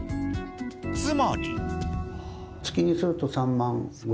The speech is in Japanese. つまり。